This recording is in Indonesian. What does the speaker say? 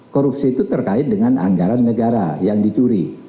korupsi itu terkait dengan anggaran negara yang dicuri